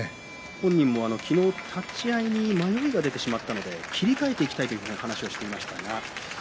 本人も昨日は立ち合いに迷いが出てしまったので切り替えていきたいという話をしていました。